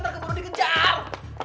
ntar keburu dikejar